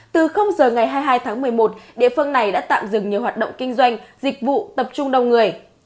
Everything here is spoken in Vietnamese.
từ giờ ngày hai mươi hai tháng một mươi một địa phương này đã tạm dừng nhiều hoạt động kinh doanh dịch vụ tập trung đông người